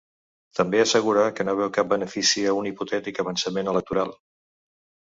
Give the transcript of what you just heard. També assegura que no veu cap benefici a un hipotètic avançament electoral.